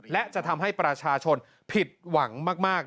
และจะทำให้ประชาชนผิดหวังมาก